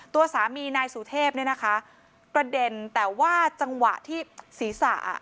ตัวสามีนายสุเทพเนี่ยนะคะกระเด็นแต่ว่าจังหวะที่ศีรษะอ่ะ